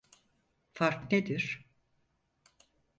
Fark nedir?